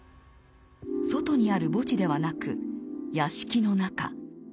外にある墓地ではなく屋敷の中。